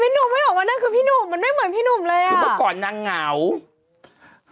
เป็นการกระตุ้นการไหลเวียนของเลือด